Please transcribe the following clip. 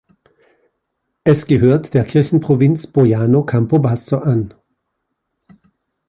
Es gehört der Kirchenprovinz Boiano-Campobasso an.